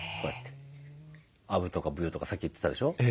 アブとかブヨとかさっき言ってたでしょ。